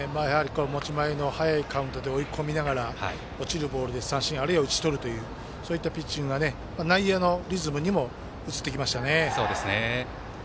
持ち前の早いカウントで追い込みながら、落ちるボールで三振、あるいは打ち取るというピッチングが、内野のリズムにも移ってきましたね。